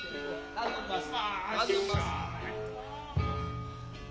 頼んます。